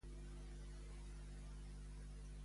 De què tracta el llibre Mujeres de Roma.